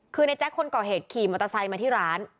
คือในแจ๊คคนก่อเหตุขี่มอเตอร์ไซค์มาที่ร้าน